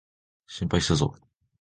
心配したぞ。